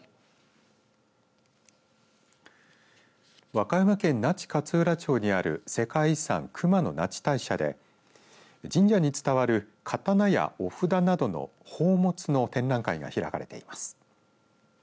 和歌山県那智勝浦町にある世界遺産、熊野那智大社で神社に伝わる刀やお札などの宝物の展覧会が開かれています。